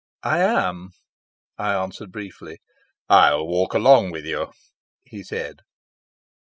"I am," I answered briefly. "I'll walk along with you," he said.